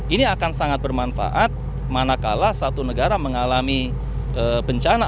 ini akan sangat bermanfaat manakala satu negara mengalami bencana